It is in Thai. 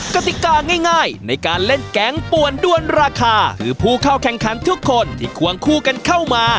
กติกาง่ายในการเล่นแก๊งป่วนด้วนราคาคือผู้เข้าแข่งขันทุกคนที่ควงคู่กันเข้ามา